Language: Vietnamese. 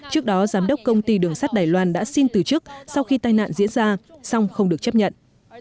trước đó giám đốc công ty đường sắt đài loan đã xin từ chức sau khi tai nạn diễn ra song không được chấp nhận